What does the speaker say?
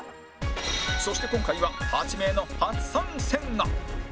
そして今回は８名の初参戦が